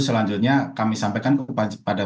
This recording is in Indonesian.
selanjutnya kami sampaikan kepada